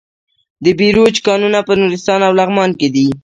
د بیروج کانونه په نورستان او لغمان کې دي.